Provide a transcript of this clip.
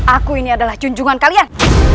aku ini adalah junjungan kalian